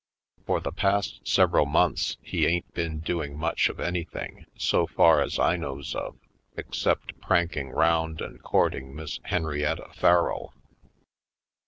For the past several months he ain't been doing much of anything, so far as I knows of, except pranking 'round and courting Miss Hen rietta Farrell.